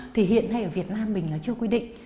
thì hiện nay ở việt nam mình là chưa quy định